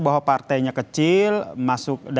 bahwa partainya kecil masuk